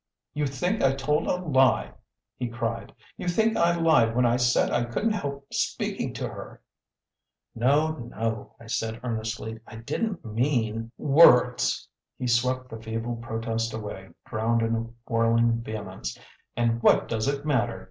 "You think I told a lie!" he cried. "You think I lied when I said I couldn't help speaking to her!" "No, no," I said earnestly. "I didn't mean " "Words!" he swept the feeble protest away, drowned in a whirling vehemence. "And what does it matter?